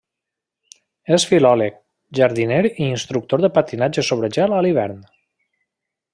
És filòleg, jardiner i instructor de patinatge sobre gel a l'hivern.